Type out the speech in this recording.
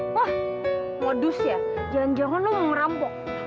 wah modus ya jangan jangan lu ngerampok